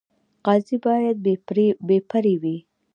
قاضي باید بې پرې وي